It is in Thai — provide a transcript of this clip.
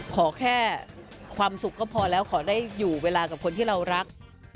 ขอแค่ความสุขก็พอแล้วขอได้อยู่เวลากับคนที่เรารัก